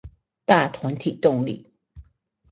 大團體動力